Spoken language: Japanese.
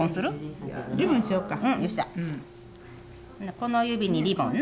この指にリボンな。